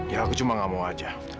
ya aku cuma gak mau aja